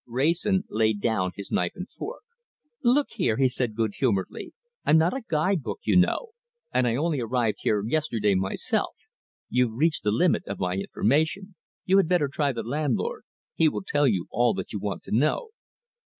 Wrayson laid down his knife and fork. "Look here," he said good humouredly, "I'm not a guide book, you know, and I only arrived here yesterday myself. You've reached the limit of my information. You had better try the landlord. He will tell you all that you want to know."